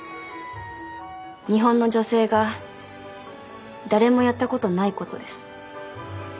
日本の女性が誰もやった事のない事です。